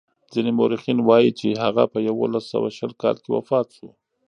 ځینې مورخین وايي چې هغه په یوولس سوه شل کال کې وفات شو.